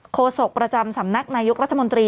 โศกประจำสำนักนายกรัฐมนตรี